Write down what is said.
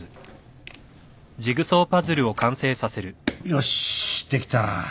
よしできた。